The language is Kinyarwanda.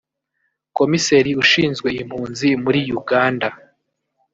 Komiseri ushinzwe impunzi muri Uganda